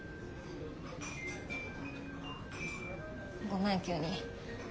ごめん急に。